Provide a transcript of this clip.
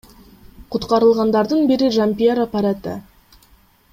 Куткарылгандардын бири Жампьеро Парете.